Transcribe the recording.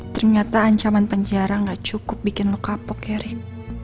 ternyata ancaman penjara gak cukup bikin lo kapok erick